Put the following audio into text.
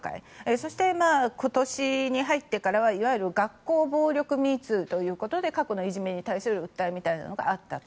そして、今年に入ってからはいわゆる学校暴力の「＃ＭｅＴｏｏ」ということで過去のいじめに対する訴えみたいなのがあったと。